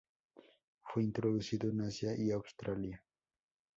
Fue introducido en Asia y Australia.